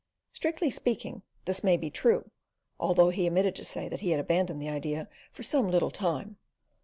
Strictly speaking, this may be true, although he omitted to say that he had abandoned the idea for some little time.